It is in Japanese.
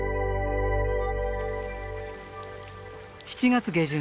７月下旬